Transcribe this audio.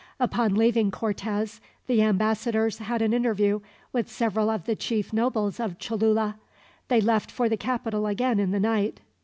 Upon leaving Cortez, the ambassadors had an interview with several of the chief nobles of Cholula. They left for the capital again in the night.